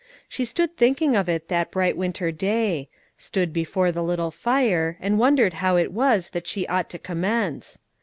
She stood thinking of it that bright winter day, stood before the little fire, and wondered how it was that she ought to commence.